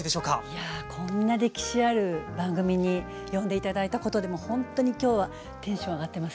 いやこんな歴史ある番組に呼んで頂いたことでもうほんとに今日はテンション上がってます。